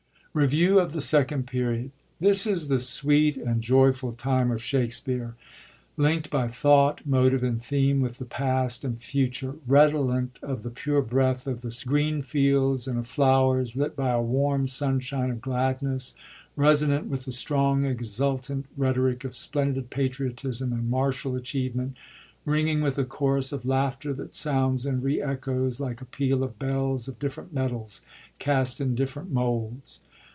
Rbvibw of the Second Period This is the sweet and joyful time of Shakspere, linkt by thought, motive and theme, with the past and future, redolent of the pure breath of the green fields and of flowers, lit by a warm sunshine of gladness, resonant with the strong, exultant rhetoric of splendid patriotism and martial achievement, ringing with a chorus of laughter that sounds and re echoes like a peal of bells of ditferent metals cast in different moulds.